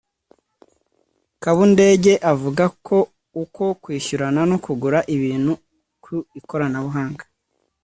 Kabundege avuga ko uko kwishyurana no kugura ibintu ku ikoranabuhanga